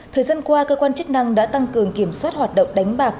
thời gian qua cơ quan chức năng đã tăng cường kiểm soát hoạt động đánh bạc